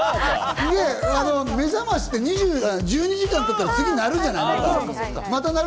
それで目覚ましって１２時間たったら次鳴るじゃない、また。